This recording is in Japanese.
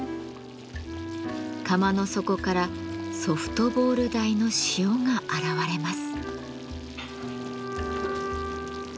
釜の底からソフトボール大の塩が現れます。